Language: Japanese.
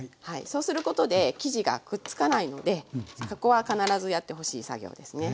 そうすることで生地がくっつかないのでそこは必ずやってほしい作業ですね。